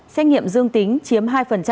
xét nghiệm dương tính chiếm hai